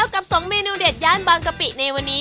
ขอบคุณครับพี่